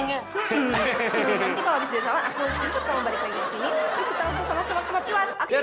iya nanti kalau habis dari salon aku cintur kamu balik lagi ke sini